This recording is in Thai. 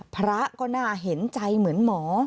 พระก็น่าเห็นใจเหมือนหมอ